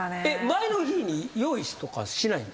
前の日に用意とかしないんですか？